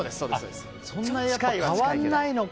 そんなやっぱり変わらないのか。